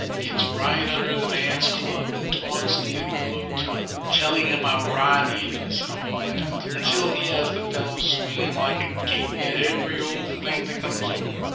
Gets right under the man's club and talks to him in a low tone, telling him how rotten he is and all that, until he has the fellow swinging like a gate at every old thing that comes over.